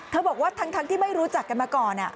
บอกว่าทั้งที่ไม่รู้จักกันมาก่อน